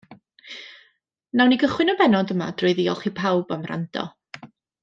Nawn ni gychwyn y bennod yma drwy ddiolch i pawb am wrando.